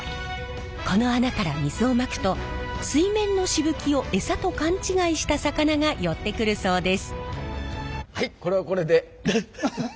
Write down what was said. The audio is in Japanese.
この穴から水をまくと水面のしぶきをエサと勘違いした魚が寄ってくるそうです。